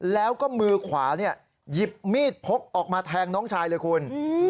แล้วก็มือขวาเนี่ยหยิบมีดพกออกมาแทงน้องชายเลยคุณ